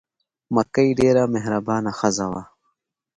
مکۍ ډېره مهربانه ښځه وه.